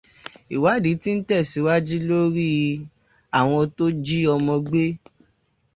Ìwádìí ti ń tèsíwájú lórí àwọn tó ń jí ọmọ gbé.